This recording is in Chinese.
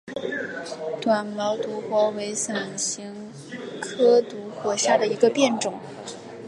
短毛独活为伞形科独活属下的一个变种。